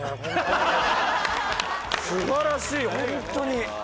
素晴らしい本当に。